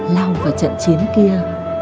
lao vào trận chiến kia